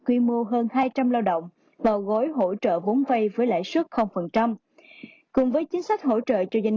quy mô hơn hai trăm linh lao động vào gói hỗ trợ vốn vay với lãi suất cùng với chính sách hỗ trợ cho doanh